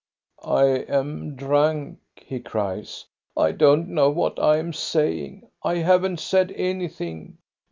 "lam drunk," he cries. "I don't know what I am saying; I haven't said anything.